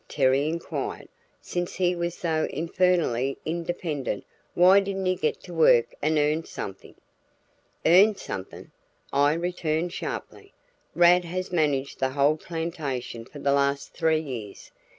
Terry inquired. "Since he was so infernally independent why didn't he get to work and earn something?" "Earn something!" I returned sharply. "Rad has managed the whole plantation for the last three years.